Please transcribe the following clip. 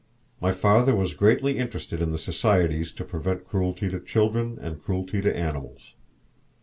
My father was greatly interested in the societies to prevent cruelty to children and cruelty to animals.